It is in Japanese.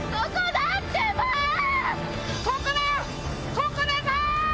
ここだぞ！